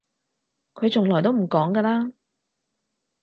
佢從來都唔講㗎啦